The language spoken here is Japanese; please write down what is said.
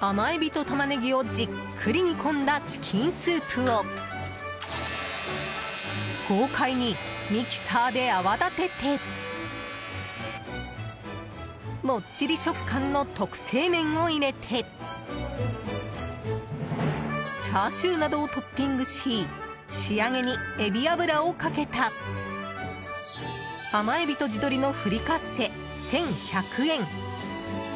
甘エビとタマネギをじっくり煮込んだチキンスープを豪快にミキサーで泡立ててもっちり食感の特製麺を入れてチャーシューなどをトッピングし仕上げにエビ油をかけた甘エビと地鶏のフリカッセ１１００円。